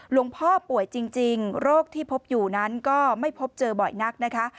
ป่วยจริงโรคที่พบอยู่นั้นก็ไม่พบเจอบ่อยนักนะคะ